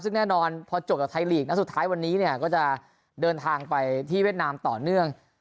ซึ่งแน่นอนพอจบกับไทยลีกนะสุดท้ายวันนี้เนี่ยก็จะเดินทางไปที่เวียดนามต่อเนื่อง